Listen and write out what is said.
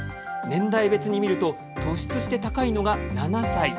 年代別に見ると突出して高いのが７歳。